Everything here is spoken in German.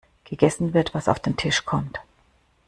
Gegessen wird, was auf den Tisch kommt.